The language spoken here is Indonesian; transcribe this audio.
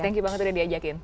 thank you banget udah diajakin